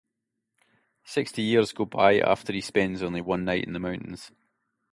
Sixty years go by after he spends only one night in the mountains.